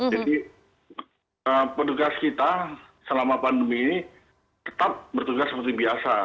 jadi petugas kita selama pandemi ini tetap bertugas seperti biasa